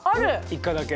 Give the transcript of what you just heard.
１回だけ。